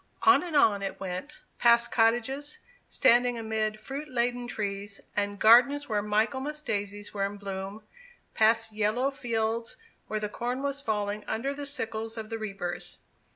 On and on it went; past cottages, standing amid fruit laden trees, and gardens where Michaelmas daisies were in bloom; past yellow fields, where the corn was falling under the sickles of the reapers.